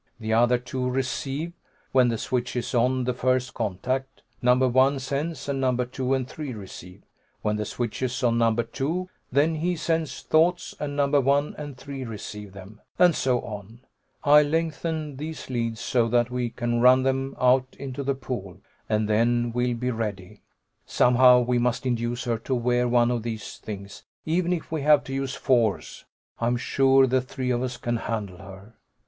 The other two receive. When the switch is on the first contact, Number One sends, and Numbers Two and Three receive. When the switch is on Number Two, then he sends thoughts, and Numbers One and Three receive them. And so on. I'll lengthen these leads so that we can run them out into the pool, and then we'll be ready. Somehow we must induce her to wear one of these things, even if we have to use force. I'm sure the three of us can handle her."